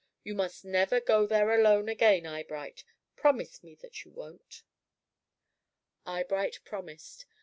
You must never go there alone again, Eyebright. Promise me that you won't." Eyebright promised.